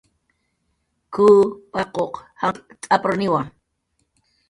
"K""uw paquq janq' t'aprniwa"